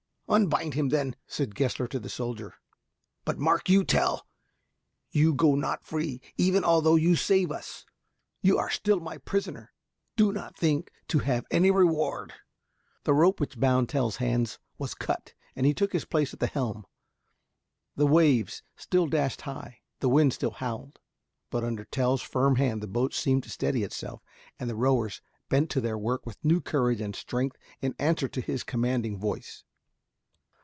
"Unbind him, then," said Gessler to the soldier, "but mark you, Tell, you go not free. Even although you save us, you are still my prisoner. Do not think to have any reward." The rope which bound Tell's hands was cut, and he took his place at the helm. The waves still dashed high, the wind still howled, but under Tell's firm hand the boat seemed to steady itself, and the rowers bent to their work with new courage and strength in answer to his commanding voice.